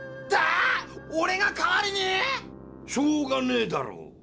オレが代わりに⁉しょうがねえだろ。